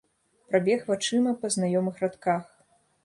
Прабег вачыма па знаёмых радках.